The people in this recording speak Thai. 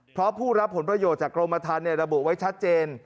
เพราะผู้รับผลประโยชน์จากกรมทันระบุไว้ชัดเจน